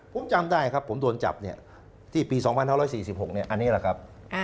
ผมจำได้ครับผมโดนจับเนี่ยที่ปี๒๕๔๖อันนี้แหละครับ